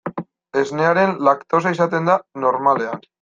Esnearen laktosa izaten da, normalean.